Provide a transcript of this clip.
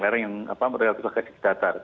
lereng yang apa relatif kinerja datar